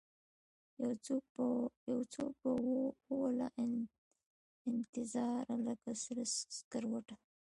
یوڅوک به ووله انتظاره لکه سره سکروټه